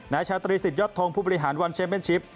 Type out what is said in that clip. ชาตรีสิทธยอดทงผู้บริหารวันเชมเป็นชิป